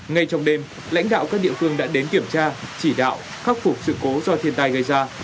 ngay trong đêm lãnh đạo các địa phương đã đến kiểm tra chỉ đạo khắc phục sự cố do thiên tai gây ra